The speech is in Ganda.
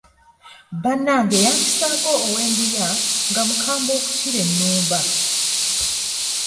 Bannange yampisaako ow'e Mbuya, nga mukambwe okukira ennumba!